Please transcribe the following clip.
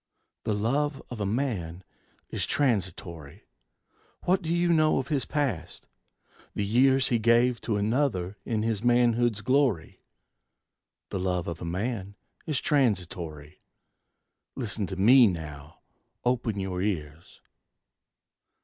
The love of a man is transitory. What do you know of his past? the years He gave to another his manhood's glory? The love of a man is transitory. Listen to me now: open your ears.